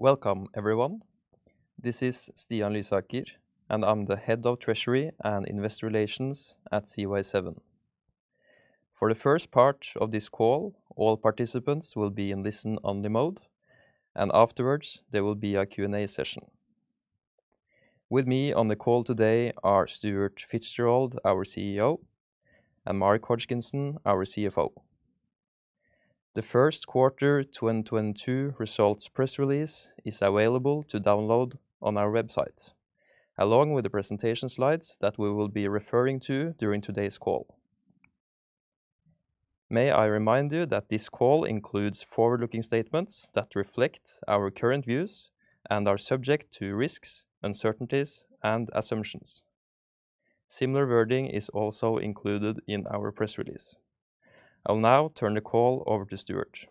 Welcome, everyone. This is Stian Lysaker, and I'm the head of Treasury and Investor Relations at Seaway 7. For the first part of this call, all participants will be in listen-only mode, and afterwards there will be a Q&A session. With me on the call today are Stuart Fitzgerald, our CEO, and Mark Hodgkinson, our CFO. The first 2022 results press release is available to download on our website, along with the presentation slides that we will be referring to during today's call. May I remind you that this call includes forward-looking statements that reflect our current views and are subject to risks, uncertainties, and assumptions. Similar wording is also included in our press release. I'll now turn the call over to Stuart.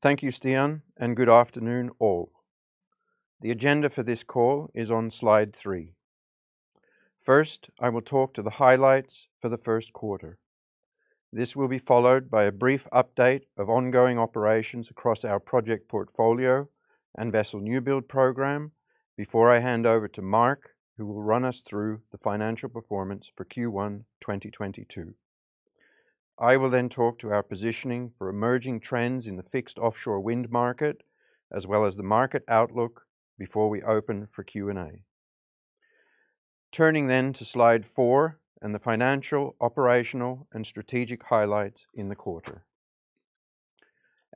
Thank you, Stian, and good afternoon, all. The agenda for this call is on slide 3. First, I will talk to the highlights for the Q1. This will be followed by a brief update of ongoing operations across our project portfolio and vessel new build program before I hand over to Mark, who will run through the financial performance for Q1 2022. I will then talk to our positioning for emerging trends in the fixed offshore wind market, as well as the market outlook before we open for Q&A. Turning to slide 4 and the financial, operational, and strategic highlights in the quarter.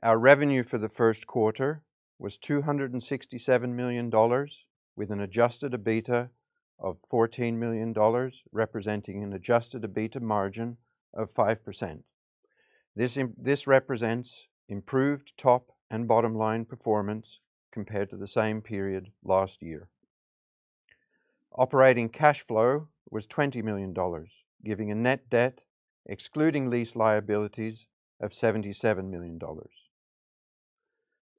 Our revenue for the Q1 was $267 million with an adjusted EBITDA of $14 million, representing an adjusted EBITDA margin of 5%. This represents improved top and bottom line performance compared to the same period last. Operating cash flow was $20 million, giving a net debt excluding lease liabilities of $77 million.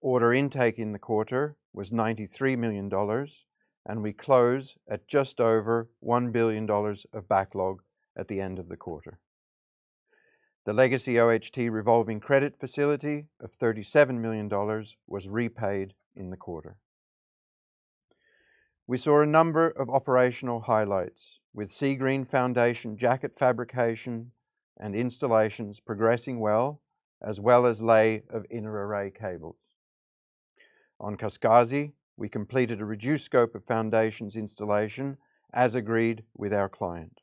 Order intake in the quarter was $93 million, and we close at just over $1 billion of backlog at the end of the quarter. The legacy OHT revolving credit facility of $37 million was repaid in the quarter. We saw a number of operational highlights with Seagreen foundation jacket fabrication and installations progressing well, as well as lay of inter-array cables. On Kaskasi, we completed a reduced scope of foundations installation as agreed with our client.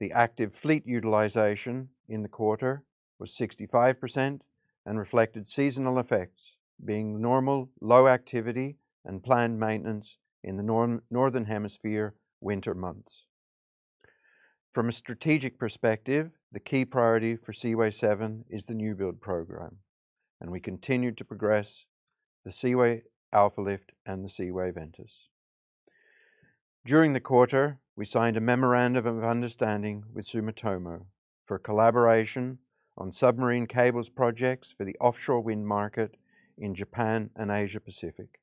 The active fleet utilization in the quarter was 65% and reflected seasonal effects being normal low activity and planned maintenance in the northern hemisphere winter months. From a strategic perspective, the key priority for Seaway 7 is the new build program, and we continued to progress the Seaway Alfa Lift and the Seaway Ventus. During the quarter, we signed a memorandum of understanding with Sumitomo for a collaboration on submarine cables projects for the offshore wind market in Japan and Asia Pacific.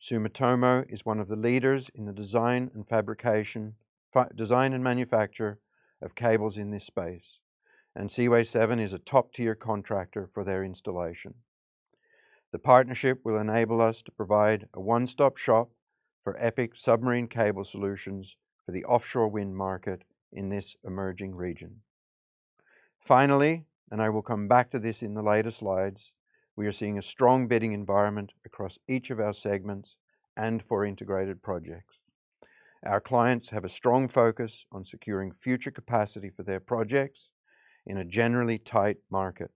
Sumitomo is one of the leaders in the design and manufacture of cables in this space, and Seaway 7 is a top-tier contractor for their installation. The partnership will enable us to provide a one-stop shop for EPCI submarine cable solutions for the offshore wind market in this emerging region. Finally, and I will come back to this in the later slides, we are seeing a strong bidding environment across each of our segments and for integrated projects. Our clients have a strong focus on securing future capacity for their projects in a generally tight market.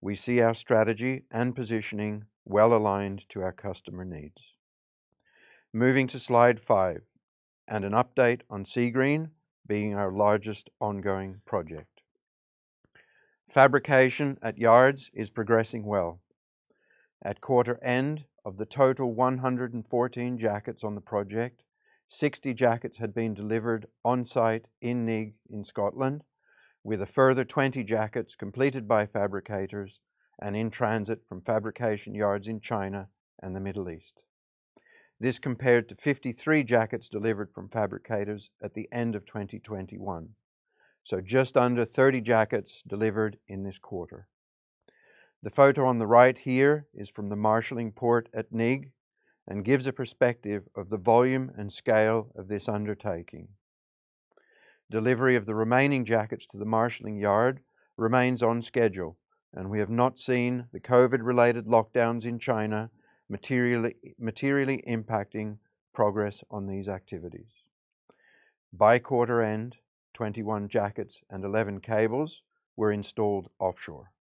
We see our strategy and positioning well aligned to our customer needs. Moving to slide 5 and an update on Seagreen being our largest ongoing project. Fabrication at yards is progressing well. At quarter end of the total 114 jackets on the project, 60 jackets had been delivered on site in Nigg in Scotland, with a further 20 jackets completed by fabricators and in transit from fabrication yards in China and the Middle East. This compared to 53 jackets delivered from fabricators at the end of 2021. Just under 30 jackets delivered in this quarter. The photo on the right here is from the marshaling port at Nigg and gives a perspective of the volume and scale of this undertaking. Delivery of the remaining jackets to the marshaling yard remains on schedule, and we have not seen the COVID related lockdowns in China materially impacting progress on these activities. By quarter end, 21 jackets and 11 cables were installed offshore.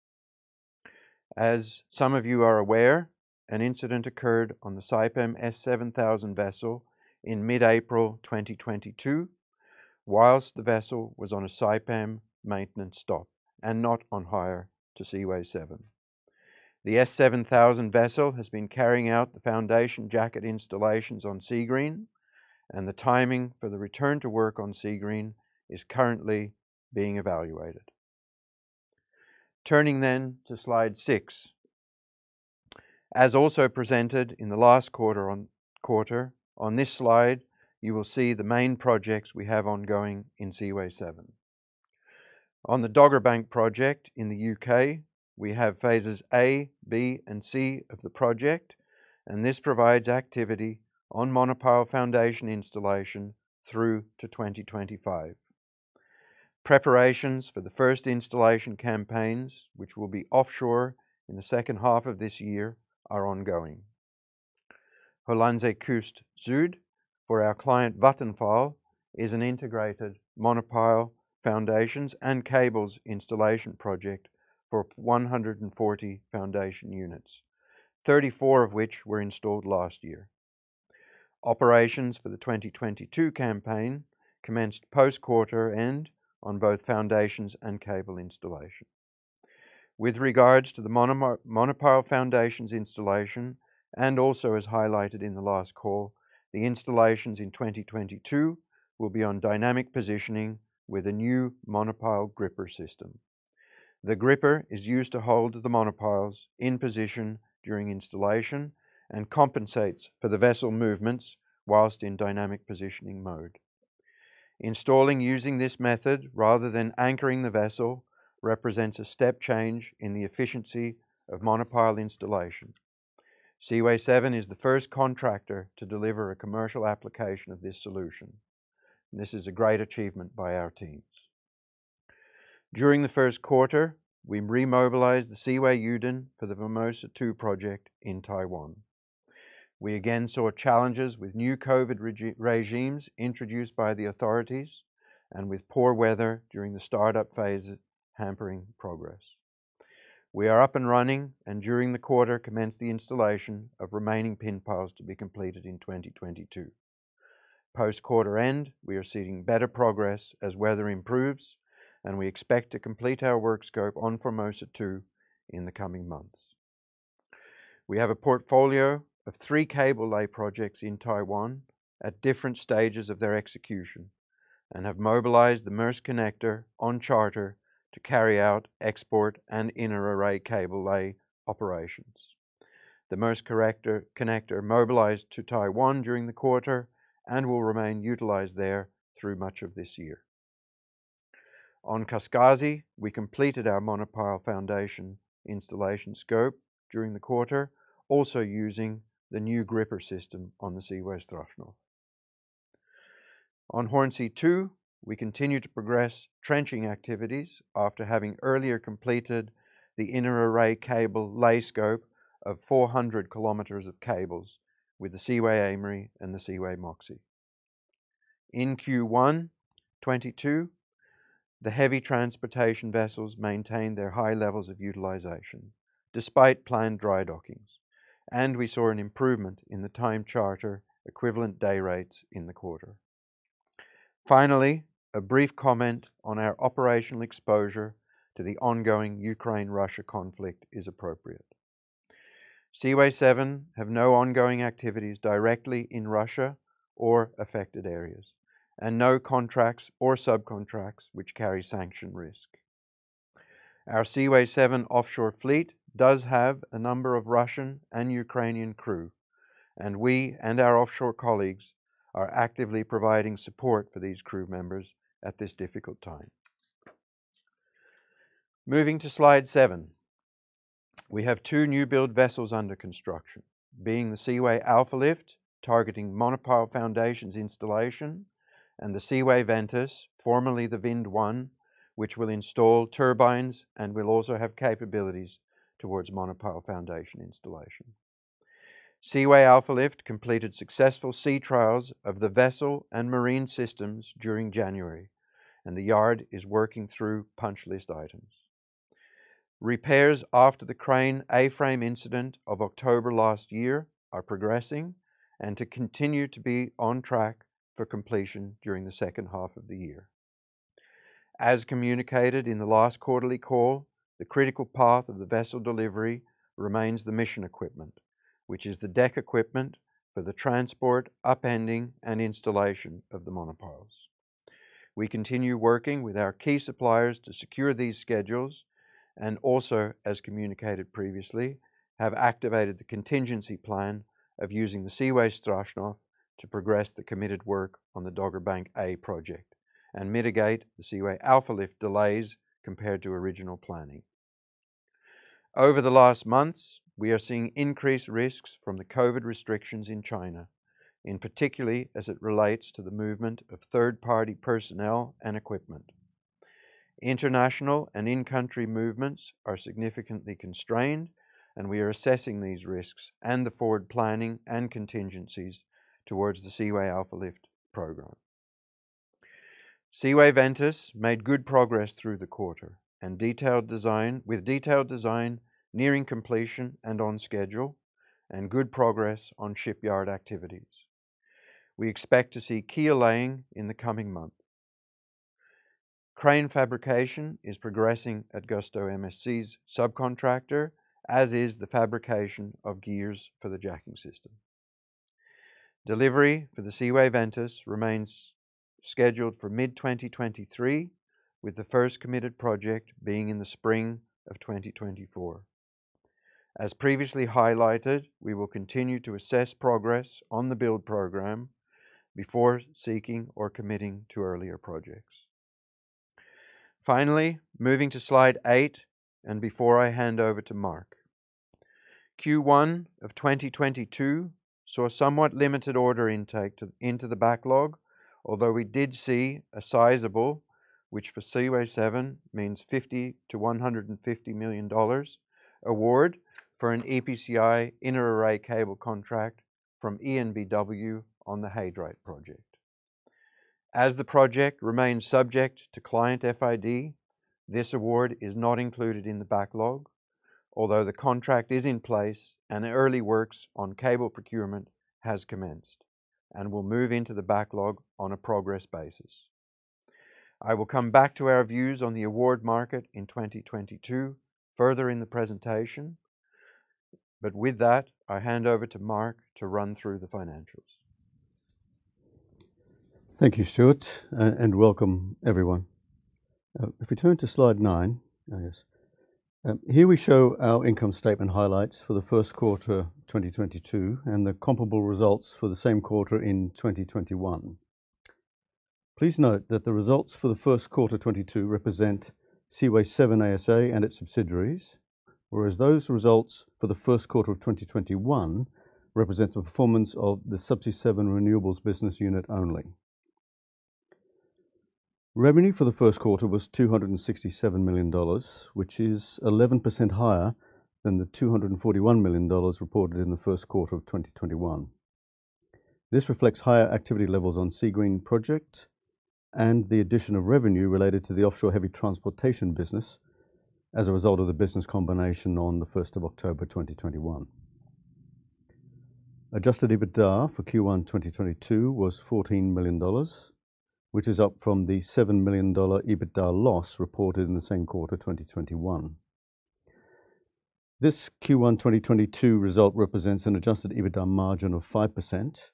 As some of you are aware, an incident occurred on the Saipem S-7000 vessel in mid-April 2022 while the vessel was on a Saipem maintenance stop and not on hire to Seaway 7. The S-7000 vessel has been carrying out the foundation jacket installations on Seagreen, and the timing for the return to work on Seagreen is currently being evaluated. Turning to slide six. As also presented in the last quarter on this slide, you will see the main projects we have ongoing in Seaway 7. On the Dogger Bank project in the UK, we have phases A, B, and C of the project, and this provides activity on monopile foundation installation through to 2025. Preparations for the first installation campaigns, which will be offshore in the second half of this, are ongoing. Hollandse Kust Zuid for our client, Vattenfall, is an integrated monopile foundations and cables installation project for 140 foundation units, 34 of which were installed last year. Operations for the 2022 campaign commenced post-quarter and on both foundations and cable installation. With regards to the monopile foundations installation, and also as highlighted in the last call, the installations in 2022 will be on dynamic positioning with a new monopile gripper system. The gripper is used to hold the monopiles in position during installation and compensates for the vessel movements while in dynamic positioning mode. Installing using this method rather than anchoring the vessel represents a step change in the efficiency of monopile installation. Seaway 7 is the first contractor to deliver a commercial application of this solution. This is a great achievement by our teams. During the Q1, we remobilized the Seaway Aimery for the Formosa 2 project in Taiwan. We again saw challenges with new COVID regimes introduced by the authorities and with poor weather during the startup phases hampering progress. We are up and running, and during the quarter commenced the installation of remaining pin piles to be completed in 2022. Post-quarter end, we are seeing better progress as weather improves, and we expect to complete our work scope on Formosa 2 in the coming months. We have a portfolio of three cable lay projects in Taiwan at different stages of their execution and have mobilized the Maersk Connector on charter to carry out export and inter-array cable lay operations. The Maersk Connector mobilized to Taiwan during the quarter and will remain utilized there through much of this year. On Kaskasi, we completed our monopile foundation installation scope during the quarter, also using the new gripper system on the Seaway Strashnov. On Hornsea 2, we continue to progress trenching activities after having earlier completed the inter-array cable lay scope of 400 kilometers of cables with the Seaway Aimery and the Seaway Moxie. In Q1 2022, the heavy transportation vessels maintained their high levels of utilization despite planned dry dockings, and we saw an improvement in the time charter equivalent day rates in the quarter. Finally, a brief comment on our operational exposure to the ongoing Ukraine-Russia conflict is appropriate. Seaway 7 have no ongoing activities directly in Russia or affected areas, and no contracts or subcontracts which carry sanction risk. Our Seaway 7 offshore fleet does have a number of Russian and Ukrainian crew, and we and our offshore colleagues are actively providing support for these crew members at this difficult time. Moving to slide 7. We have two new build vessels under construction, being the Seaway Alfa Lift, targeting monopile foundations installation, and the Seaway Ventus, formerly the Vind 1, which will install turbines and will also have capabilities toward monopile foundation installation. Seaway Alfa Lift completed successful sea trials of the vessel and marine systems during January, and the yard is working through punch list items. Repairs after the crane A-frame incident of October last year are progressing and continue to be on track for completion during the second half of the year. As communicated in the last quarterly call, the critical path of the vessel delivery remains the mission equipment, which is the deck equipment for the transport, upending, and installation of the monopiles. We continue working with our key suppliers to secure these schedules and also, as communicated previously, have activated the contingency plan of using the Seaway Strashnov to progress the committed work on the Dogger Bank A project and mitigate the Seaway Alfa Lift delays compared to original planning. Over the last months, we are seeing increased risks from the COVID restrictions in China, in particular as it relates to the movement of third-party personnel and equipment. International and in-country movements are significantly constrained, and we are assessing these risks and the forward planning and contingencies towards the Seaway Alfa Lift program. Seaway Ventus made good progress through the quarter, and detailed design nearing completion and on schedule and good progress on shipyard activities. We expect to see keel laying in the coming month. Crane fabrication is progressing at GustoMSC's subcontractor, as is the fabrication of gears for the jacking system. Delivery for the Seaway Ventus remains scheduled for mid-2023, with the first committed project being in the spring of 2024. As previously highlighted, we will continue to assess progress on the build program before seeking or committing to earlier projects. Finally, moving to slide 8, and before I hand over to Mark. Q1 2022 saw somewhat limited order intake into the backlog, although we did see a sizable, which for Seaway 7 means $50-$150 million award for an EPCI inter-array cable contract from EnBW on the He Dreiht project. As the project remains subject to client FID, this award is not included in the backlog, although the contract is in place and early works on cable procurement has commenced and will move into the backlog on a progress basis. I will come back to our views on the award market in 2022 further in the presentation. With that, I hand over to Mark to run through the financials. Thank you, Stuart, and welcome everyone. If we turn to slide nine. Here we show our income statement highlights for the Q1 2022, and the comparable results for the same quarter in 2021. Please note that the results for the Q1 2022 represent Seaway 7 ASA and its subsidiaries, whereas those results for the Q1 of 2021 represent the performance of the Subsea 7 renewables business unit only. Revenue for the Q1 was $267 million, which is 11% higher than the $241 million reported in the Q1 of 2021. This reflects higher activity levels on Seagreen project, and the addition of revenue related to the offshore heavy transportation business as a result of the business combination on the first of October 2021. Adjusted EBITDA for Q1 2022 was $14 million, which is up from the $7 million EBITDA loss reported in the same quarter, 2021. This Q1 2022 result represents an adjusted EBITDA margin of 5%,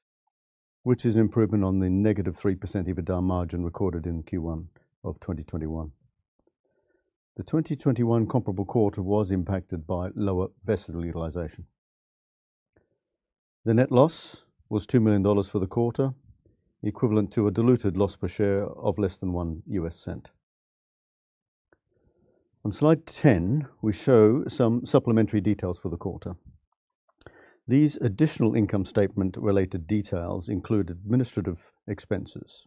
which is improvement on the -3% EBITDA margin recorded in Q1 of 2021. The 2021 comparable quarter was impacted by lower vessel utilization. The net loss was $2 million for the quarter, equivalent to a diluted loss per share of less than $0.01. On slide 10, we show some supplementary details for the quarter. These additional income statement-related details include administrative expenses,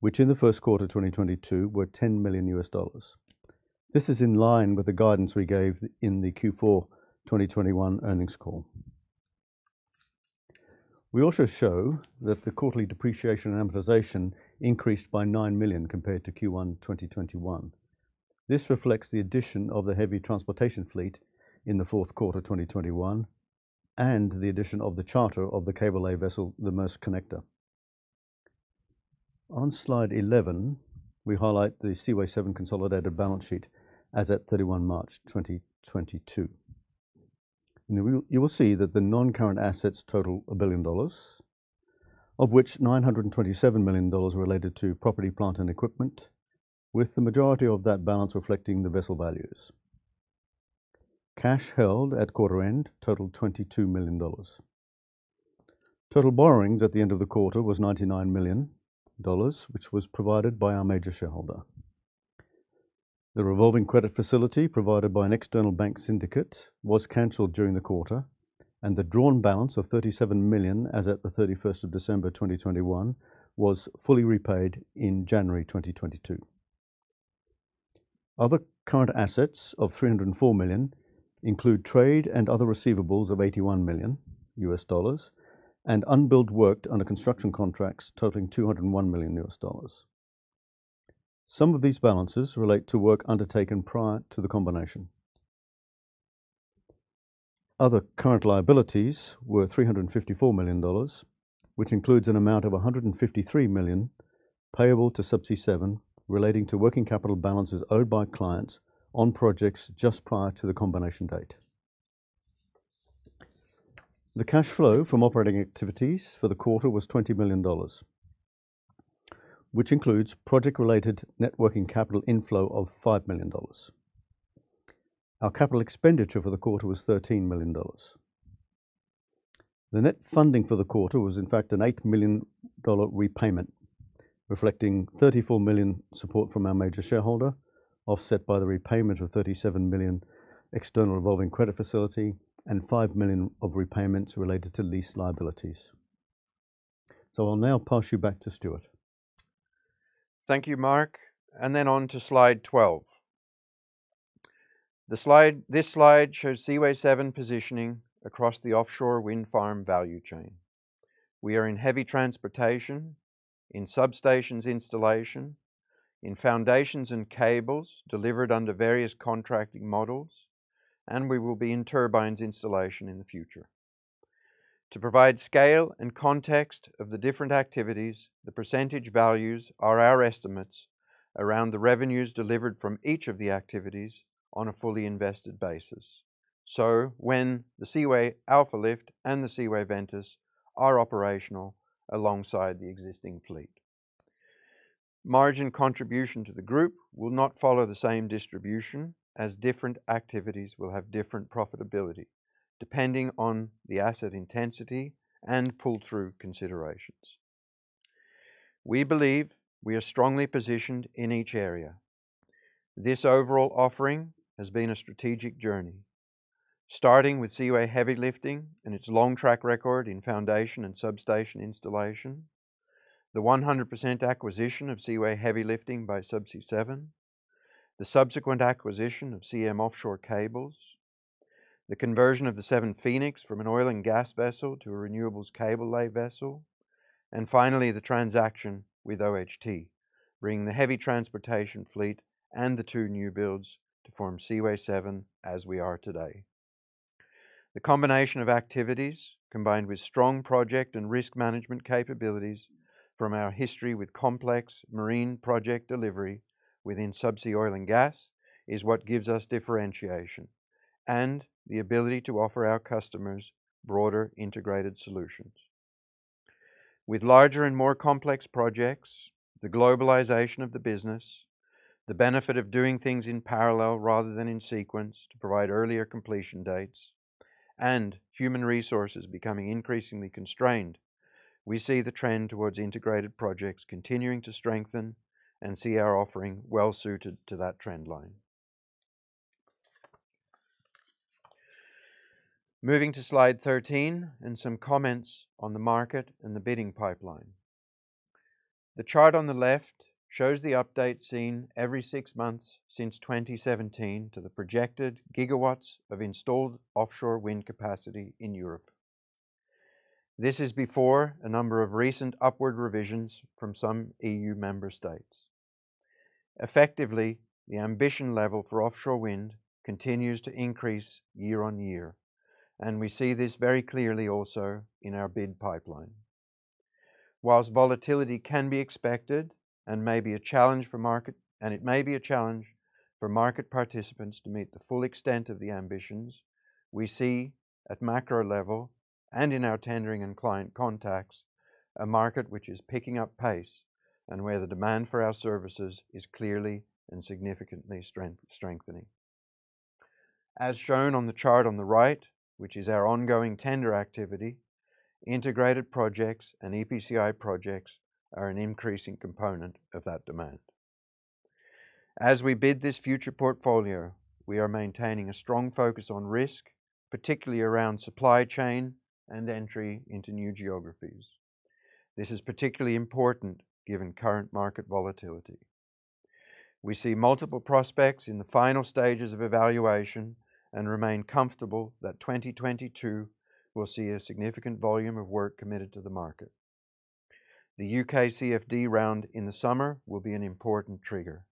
which in the Q1, 2022 were $10 million. This is in line with the guidance we gave in the Q4 2021 earnings call. We also show that the quarterly depreciation and amortization increased by $9 million compared to Q1 2021. This reflects the addition of the heavy transportation fleet in the Q4r 2021, and the addition of the charter of the cable lay vessel, the Maersk Connector. On slide 11, we highlight the Seaway 7 consolidated balance sheet as at 31 March 2022. You will see that the non-current assets total $1 billion, of which $927 million related to property, plant, and equipment, with the majority of that balance reflecting the vessel values. Cash held at quarter end totaled $22 million. Total borrowings at the end of the quarter was $99 million, which was provided by our major shareholder. The revolving credit facility provided by an external bank syndicate was canceled during the quarter, and the drawn balance of $37 million as at the 31st of December 2021 was fully repaid in January 2022. Other current assets of $304 million include trade and other receivables of $81 million and unbilled work under construction contracts totaling $201 million. Some of these balances relate to work undertaken prior to the combination. Other current liabilities were $354 million, which includes an amount of $153 million payable to Subsea 7 relating to working capital balances owed by clients on projects just prior to the combination date. The cash flow from operating activities for the quarter was $20 million, which includes project-related working capital inflow of $5 million. Our capital expenditure for the quarter was $13 million. The net funding for the quarter was, in fact, an $8 million repayment, reflecting $34 million support from our major shareholder, offset by the repayment of $37 million external revolving credit facility and $5 million of repayments related to lease liabilities. I'll now pass you back to Stuart. Thank you, Mark. Then on to slide 12. This slide shows Seaway 7 positioning across the offshore wind farm value chain. We are in heavy transportation, in substations installation, in foundations and cables delivered under various contracting models, and we will be in turbines installation in the future. To provide scale and context of the different activities, the percentage values are our estimates around the revenues delivered from each of the activities on a fully invested basis. When the Seaway Alfa Lift and the Seaway Ventus are operational alongside the existing fleet. Margin contribution to the group will not follow the same distribution, as different activities will have different profitability depending on the asset intensity and pull-through considerations. We believe we are strongly positioned in each area. This overall offering has been a strategic journey, starting with Seaway Heavy Lifting and its long track record in foundation and substation installation, the 100% acquisition of Seaway Heavy Lifting by Subsea 7, the subsequent acquisition of Siem Offshore Contractors, the conversion of the Seven Phoenix from an oil and gas vessel to a renewables cable lay vessel, and finally, the transaction with OHT, bringing the heavy transportation fleet and the two new builds to form Seaway 7 as we are today. The combination of activities, combined with strong project and risk management capabilities from our history with complex marine project delivery within subsea oil and gas, is what gives us differentiation and the ability to offer our customers broader integrated solutions. With larger and more complex projects, the globalization of the business, the benefit of doing things in parallel rather than in sequence to provide earlier completion dates, and human resources becoming increasingly constrained, we see the trend towards integrated projects continuing to strengthen and see our offering well-suited to that trend line. Moving to slide 13 and some comments on the market and the bidding pipeline. The chart on the left shows the update seen every six months since 2017 to the projected gigawatts of installed offshore wind capacity in Europe. This is before a number of recent upward revisions from some EU member states. Effectively, the ambition level for offshore wind continues to increase year-on-year, and we see this very clearly also in our bid pipeline. While volatility can be expected and may be a challenge for market participants to meet the full extent of the ambitions, we see at macro level, and in our tendering and client contacts, a market which is picking up pace and where the demand for our services is clearly and significantly strengthening. As shown on the chart on the right, which is our ongoing tender activity, integrated projects and EPCI projects are an increasing component of that demand. As we bid this future portfolio, we are maintaining a strong focus on risk, particularly around supply chain and entry into new geographies. This is particularly important given current market volatility. We see multiple prospects in the final stages of evaluation and remain comfortable that 2022 will see a significant volume of work committed to the market. The U.K. CFD round in the summer will be an important trigger.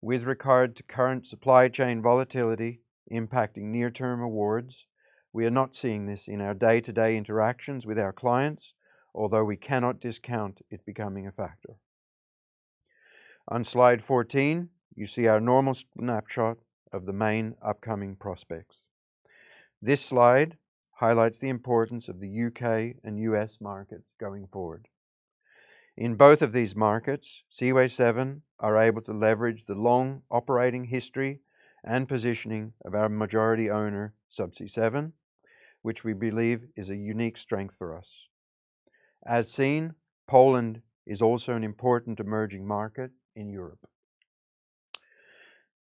With regard to current supply chain volatility impacting near-term awards, we are not seeing this in our day-to-day interactions with our clients, although we cannot discount it becoming a factor. On slide 14, you see our normal snapshot of the main upcoming prospects. This slide highlights the importance of the U.K. and U.S. markets going forward. In both of these markets, Seaway 7 are able to leverage the long operating history and positioning of our majority owner, Subsea 7, which we believe is a unique strength for us. As seen, Poland is also an important emerging market in Europe.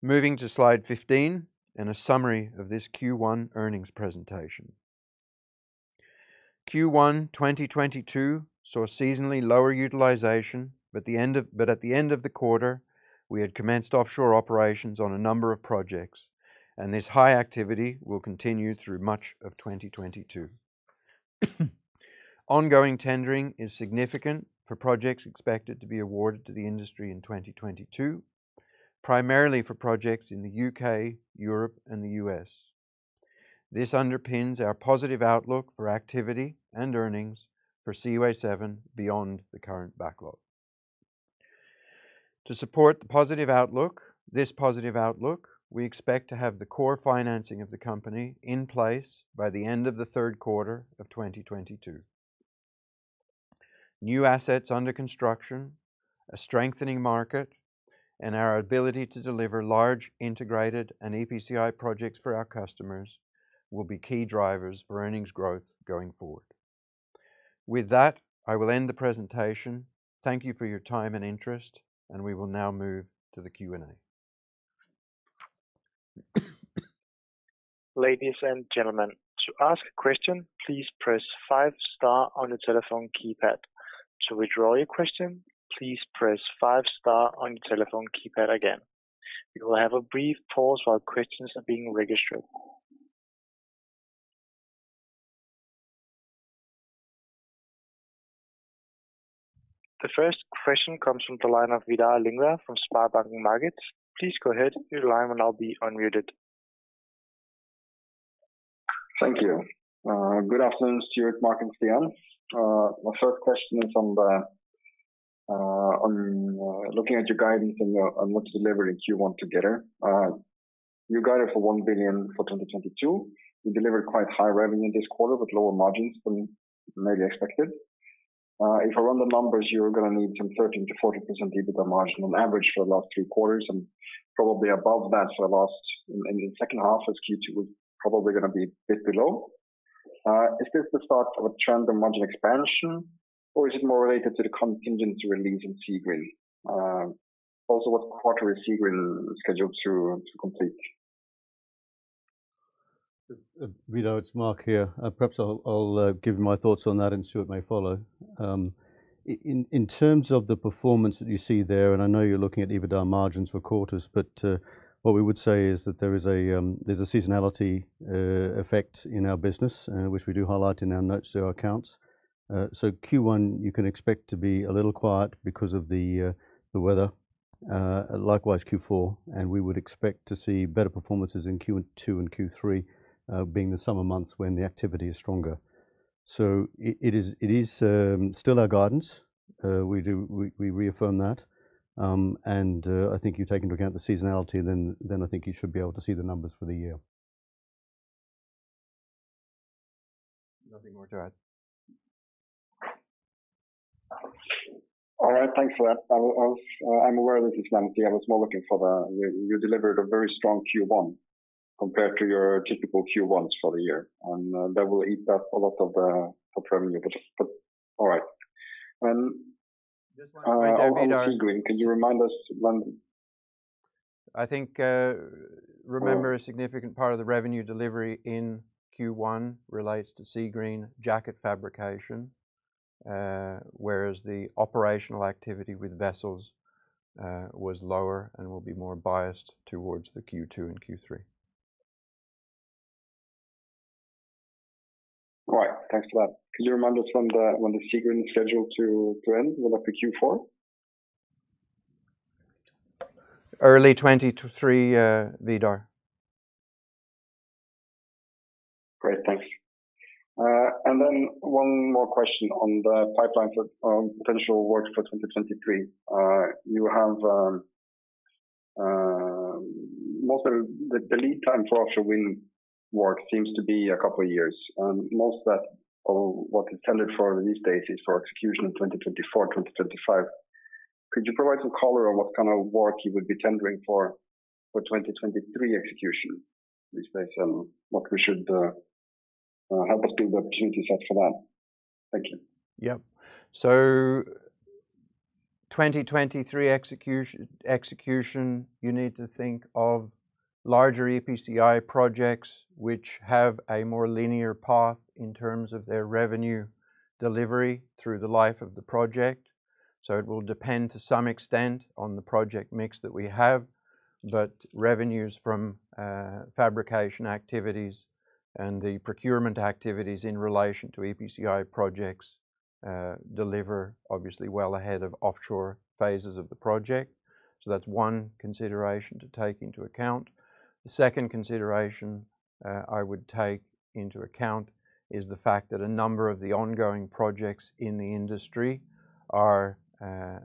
Moving to slide 15 and a summary of this Q1 earnings presentation. Q1 2022 saw seasonally lower utilization, but at the end of the quarter, we had commenced offshore operations on a number of projects, and this high activity will continue through much of 2022. Ongoing tendering is significant for projects expected to be awarded to the industry in 2022, primarily for projects in the UK, Europe, and the U.S. This underpins our positive outlook for activity and earnings for Seaway 7 beyond the current backlog. To support the positive outlook, we expect to have the core financing of the company in place by the end of the Q3 of 2022. New assets under construction, a strengthening market, and our ability to deliver large integrated and EPCI projects for our customers will be key drivers for earnings growth going forward. With that, I will end the presentation. Thank you for your time and interest, and we will now move to the Q&A. Ladies and gentlemen, to ask a question, please press five star on your telephone keypad. To withdraw your question, please press five star on your telephone keypad again. We will have a brief pause while questions are being registered. The first question comes from the line of Vidar Lyngvær from SpareBank 1 Markets. Please go ahead. Your line will now be unmuted. Thank you. Good afternoon, Stuart, Mark, and Stian. My first question is on looking at your guidance and on what's delivered and what you want to get here. You guided for $1 billion for 2022. You delivered quite high revenue this quarter with lower margins than maybe expected. If I run the numbers, you're gonna need some 13%-40% EBITDA margin on average for the last two quarters and probably above that and in the second half as Q2 is probably gonna be a bit below. Is this the start of a trend of margin expansion, or is it more related to the contingency release in Seagreen? Also what quarter is Seagreen scheduled to complete? Vidar, it's Mark here. Perhaps I'll give my thoughts on that, and Stuart may follow. In terms of the performance that you see there, and I know you're looking at EBITDA margins for quarters, but what we would say is that there is a seasonality effect in our business, which we do highlight in our notes to our accounts. So Q1 you can expect to be a little quiet because of the weather, likewise Q4, and we would expect to see better performances in Q2 and Q3, being the summer months when the activity is stronger. It is still our guidance. We reaffirm that. I think you take into account the seasonality, then I think you should be able to see the numbers for the year. Nothing more to add. All right. Thanks for that. I was I'm aware that it's legacy. I was more looking for the you delivered a very strong Q1 compared to your typical Q1s for the year, and that will eat up a lot of the top revenue. But all right. On Seagreen- Just want to point out, Vidar Can you remind us when? I think, remember a significant part of the revenue delivery in Q1 relates to Seagreen jacket fabrication, whereas the operational activity with vessels was lower and will be more biased towards the Q2 and Q3. All right. Thanks for that. Could you remind us when the Seagreen is scheduled to end? Will that be Q4? Early 2023, Vidar. Great. Thanks. One more question on the pipeline for potential work for 2023. Most of the lead time for offshore wind work seems to be a couple of years, and most of what is tendered for these days is for execution in 2024, 2025. Could you provide some color on what kind of work you would be tendering for 2023 execution, at least based on what we should help us build the opportunity set for that? Thank you. Yeah. 2023 execution, you need to think of larger EPCI projects which have a more linear path in terms of their revenue delivery through the life of the project. It will depend to some extent on the project mix that we have. Revenues from fabrication activities and the procurement activities in relation to EPCI projects deliver obviously well ahead of offshore phases of the project. That's one consideration to take into account. The second consideration I would take into account is the fact that a number of the ongoing projects in the industry are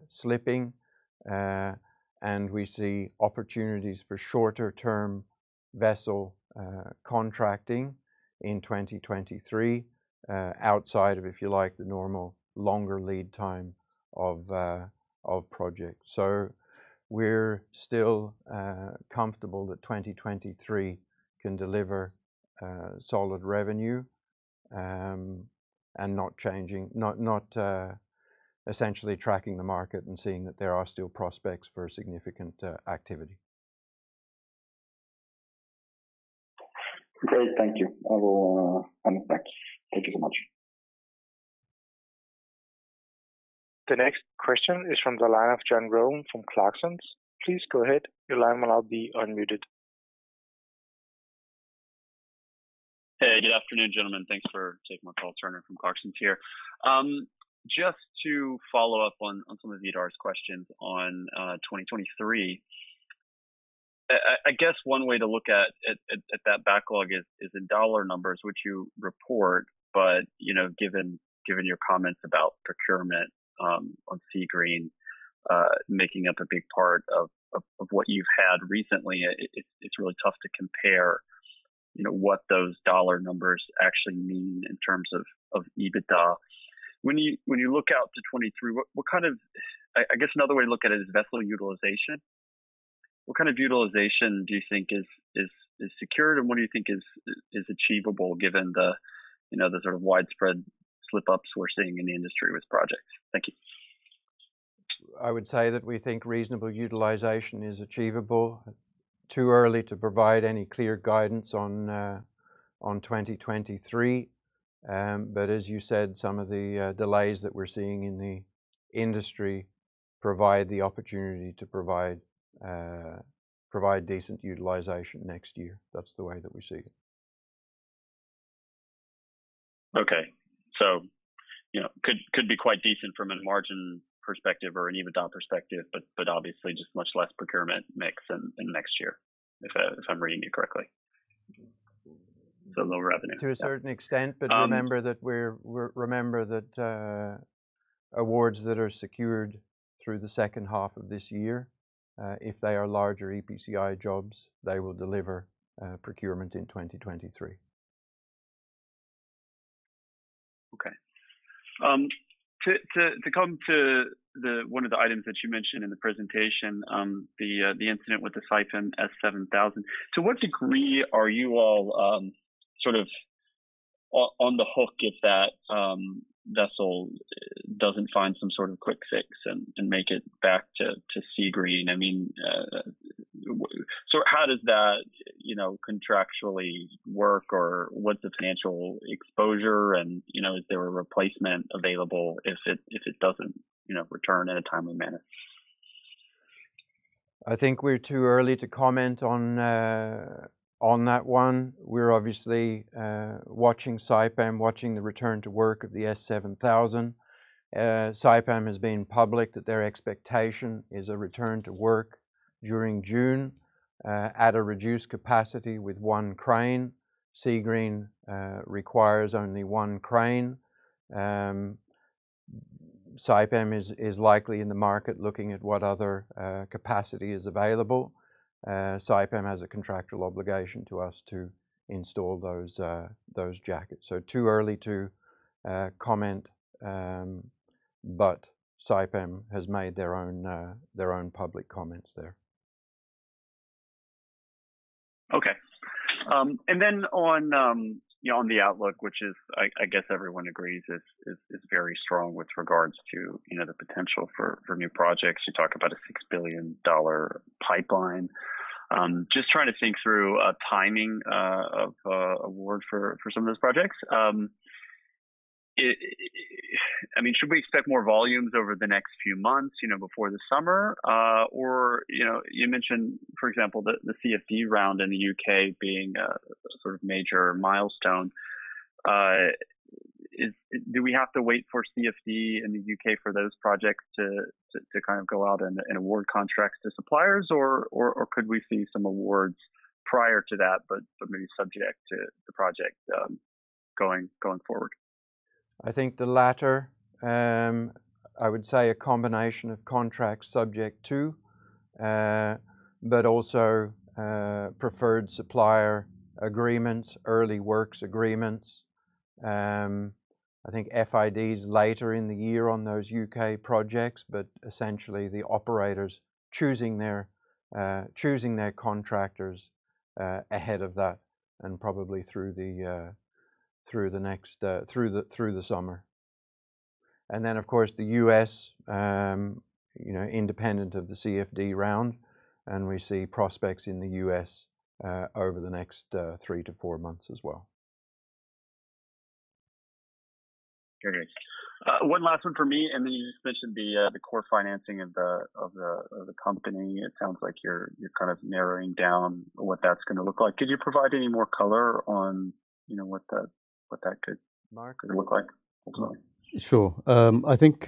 slipping, and we see opportunities for shorter-term vessel contracting in 2023, outside of, if you like, the normal longer lead time of projects. We're still comfortable that 2023 can deliver solid revenue, and not changing. Not essentially tracking the market and seeing that there are still prospects for significant activity. Great. Thank you. I will end it there. Thank you so much. The next question is from the line of Turner Holm from Clarksons. Please go ahead. Your line will now be unmuted. Hey, good afternoon, gentlemen. Thanks for taking my call. Turner from Clarksons here. Just to follow up on some of Vidar's questions on 2023. I guess one way to look at that backlog is in dollar numbers, which you report. You know, given your comments about procurement on Seagreen making up a big part of what you've had recently, it's really tough to compare, what those dollar numbers actually mean in terms of EBITDA. When you look out to 2023, I guess another way to look at it is vessel utilization. What kind of utilization do you think is secured, and what do you think is achievable given the, the sort of widespread slip-ups we're seeing in the industry with projects? Thank you. I would say that we think reasonable utilization is achievable. Too early to provide any clear guidance on 2023. As you said, some of the delays that we're seeing in the industry provide the opportunity to provide decent utilization next year. That's the way that we see it. Okay. You know, could be quite decent from a margin perspective or an EBITDA perspective, but obviously just much less procurement mix than next year, if I'm reading you correctly. Lower revenue. To a certain extent. Um- Remember that awards that are secured through the second half of this year, if they are larger EPCI jobs, they will deliver procurement in 2023. Okay. To come to one of the items that you mentioned in the presentation, the incident with the Saipem 7000. To what degree are you all sort of on the hook if that vessel doesn't find some sort of quick fix and make it back to Seagreen? I mean, so how does that,, contractually work or what's the financial exposure and, is there a replacement available if it doesn't, return in a timely manner? I think we're too early to comment on that one. We're obviously watching Saipem, watching the return to work of the Saipem 7000. Saipem has been public that their expectation is a return to work during June at a reduced capacity with one crane. Seagreen requires only one crane. Saipem is likely in the market looking at what other capacity is available. Saipem has a contractual obligation to us to install those jackets. Too early to comment, but Saipem has made their own public comments there. Okay. On the outlook, which I guess everyone agrees is very strong with regards to, the potential for new projects. You talk about a $6 billion pipeline. Just trying to think through timing of award for some of those projects. I mean, should we expect more volumes over the next few months, before the summer? You know, you mentioned, for example, the CFD round in the U.K. being a sort of major milestone. Do we have to wait for CFD in the U.K. for those projects to kind of go out and award contracts to suppliers or could we see some awards prior to that, but maybe subject to the project going forward? I think the latter. I would say a combination of contracts subject to but also preferred supplier agreements, early works agreements. I think FIDs later in the year on those U.K. projects, but essentially the operators choosing their contractors ahead of that and probably through the summer. Then of course the U.S., independent of the CFD round, and we see prospects in the U.S. over the next 3-4 months as well. Okay. One last one for me, and then you just mentioned the core financing of the company. It sounds like you're kind of narrowing down what that's gonna look like. Could you provide any more color on, what that could- Mark? Look like ultimately? Sure. I think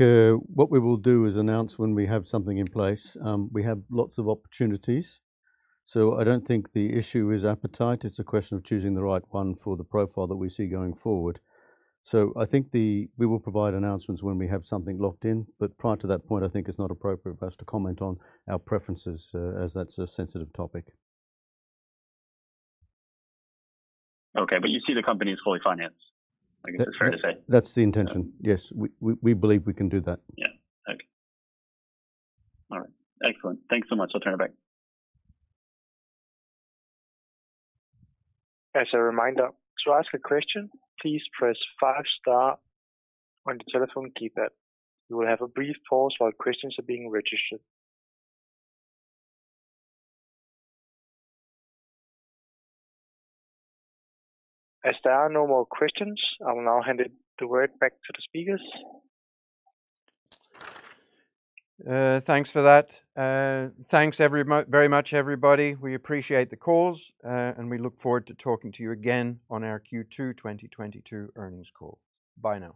what we will do is announce when we have something in place. We have lots of opportunities, so I don't think the issue is appetite. It's a question of choosing the right one for the profile that we see going forward. I think we will provide announcements when we have something locked in, but prior to that point, I think it's not appropriate for us to comment on our preferences, as that's a sensitive topic. Okay. You see the company as fully financed, I guess it's fair to say. That's the intention. Yes. We believe we can do that. Yeah. Okay. All right. Excellent. Thanks so much. I'll turn it back. As a reminder, to ask a question, please press five star on the telephone keypad. You will have a brief pause while questions are being registered. As there are no more questions, I will now hand the word back to the speakers. Thanks for that. Thanks very much everybody. We appreciate the calls, and we look forward to talking to you again on our Q2 2022 earnings call. Bye now.